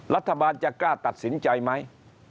รัฐบาลจะกล้าตัดสินใจไหม